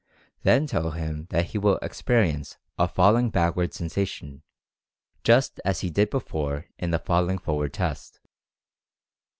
Then tell him that he will experience a "falling backward" sensation, just as he did before in the "falling forward" test.